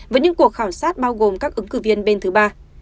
với những cuộc khảo sát bao gồm các ứng cử viên bên thứ ba